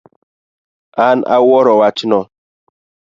An awuoro wachno